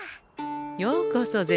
ようこそ銭